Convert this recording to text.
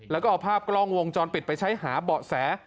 แล้วก็เอาภาพกล้องวงจรปิดไปใช้หาเบาะแส